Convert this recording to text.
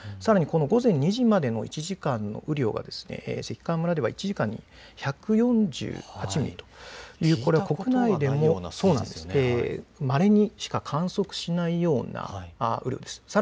午後２時までの１時間の雨量が関川村では１時間に１４８ミリとこれは国内でもまれにしか観測しないような雨量です。